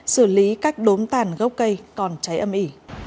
xử lý các đốm tàn gốc cây còn cháy âm ỉ